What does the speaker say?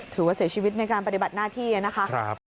ถือว่าเสียชีวิตในการปฏิบัติหน้าที่นะคะ